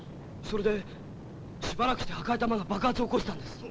それでしばらくして赤い玉が爆発を起こしたんです。